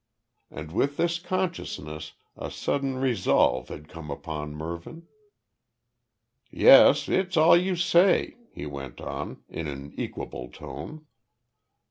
And with this consciousness a sudden resolve had come upon Mervyn. "Yes, it's all you say," he went on, in an equable tone.